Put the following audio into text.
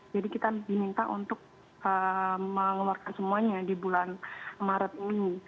jadi kita diminta untuk mengeluarkan semuanya di bulan maret ini